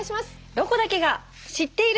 「ロコだけが知っている」。